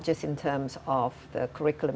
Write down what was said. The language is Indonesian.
bukan hanya dalam hal kurikulum